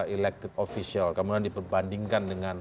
elected official kemudian diperbandingkan dengan